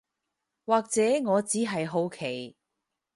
或者我只係好奇